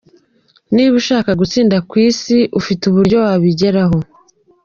Niba ushaka gutsinda ku isi, ufite kwishakira uburyo wabigeraho”.